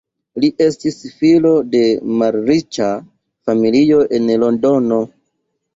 Li estis filo de malriĉa familio en Londono.